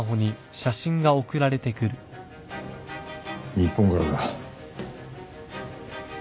日本からだ。